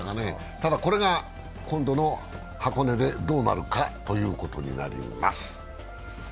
ただ、これが今度の箱根でどうなるかということになります。